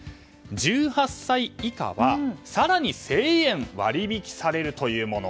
１８歳以下は更に１０００円割り引きされるというもの。